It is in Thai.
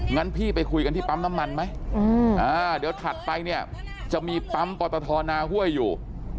งั้นพี่ไปคุยกันที่ปั๊มน้ำมันไหมเดี๋ยวถัดไปเนี่ยจะมีปั๊มปอตทนาห้วยอยู่